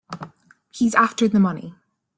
He's after the money.